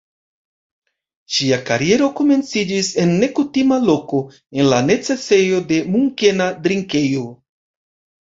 Ŝia kariero komenciĝis en nekutima loko: en la necesejo de Munkena drinkejo.